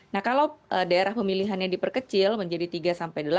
nah kalau daerah pemilihannya diperkecil menjadi tiga sampai delapan atau tiga sampai enam gitu ya